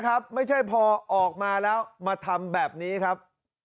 ครับไม่ใช่พอออกมาแล้วมาทำแบบนี้ครับ